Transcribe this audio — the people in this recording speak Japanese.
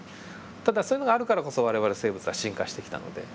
ただそういうのがあるからこそ我々生物は進化してきたので。